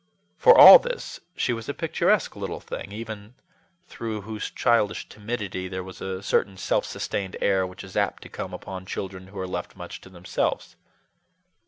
For all this, she was a picturesque little thing, even through whose childish timidity there was a certain self sustained air which is apt to come upon children who are left much to themselves.